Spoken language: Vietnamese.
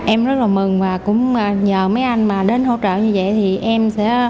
em rất là mừng và cũng nhờ mấy anh mà đến hỗ trợ như vậy thì em sẽ đỡ cái phần mà phải thu xếp